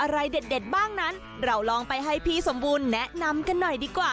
เราลองไปให้ผีสมบูรณ์แนะนำกันหน่อยค่ะ